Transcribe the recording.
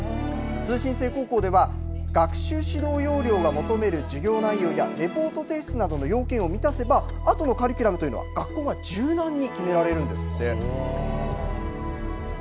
通信制高校では学習指導要領が求める授業内容やレポート提出などの要件を満たせばあとのカリキュラムというのは学校が柔軟に決められるんですって。